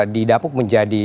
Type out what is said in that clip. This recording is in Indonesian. di dapuk menjadi